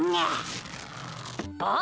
あっ！